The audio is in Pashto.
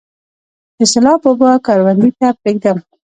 د سیلاب اوبه کروندې ته پریږدم؟